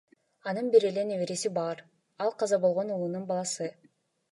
Анын бир эле небереси бар, ал каза болгон уулунун баласы.